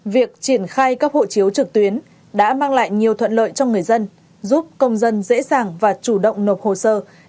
việc triển khai cấp hộ chiếu trực tuyến đã mang lại nhiều thuận lợi cho người dân giúp công dân dễ dàng và chủ động nộp hồ sơ